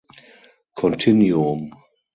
Continuum.